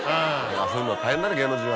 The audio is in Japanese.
そういうの大変だね芸能人は。